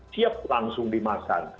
siap langsung dimakan